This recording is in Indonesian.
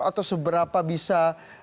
atau seberapa bisa